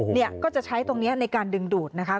เนี่ยก็จะใช้ตรงนี้ในการดึงดูดนะคะ